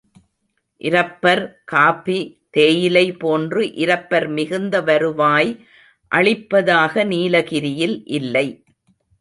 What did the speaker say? இரப்பர் coffee, தேயிலை போன்று இரப்பர் மிகுந்த வருவாய் அளிப்பதாக நீலகிரியில் இல்லை.